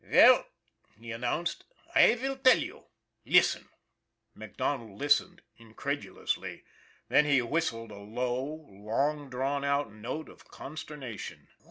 " Veil," he announced, " I vill tell you. Listen." MacDonald listened incredulously. Then he whistled a low, long drawn out note of consternation.